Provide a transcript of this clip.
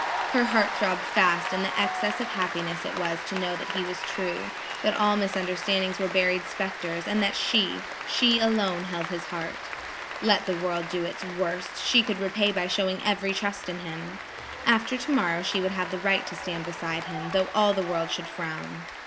Her heart throbbed fast in the excess of happiness it was to know that he was true, that all misunderstandings were buried spectres, and that she–she alone held his heart. Let the world do its worst, she could repay by showing every trust in him. After tomorrow she would have the right to stand beside him, though all the world should frown.